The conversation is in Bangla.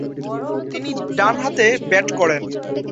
তিনি ডানহাতে ব্যাট করেন।